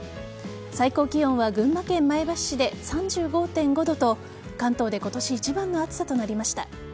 最高気温は群馬県前橋市で３５．５度と関東で今年一番の暑さとなりました。